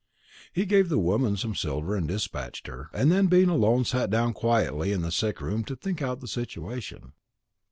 He gave the woman some silver, and despatched her; and then, being alone, sat down quietly in the sick room to think out the situation.